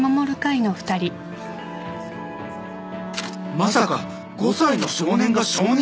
・「まさか５歳の少年が証人！？」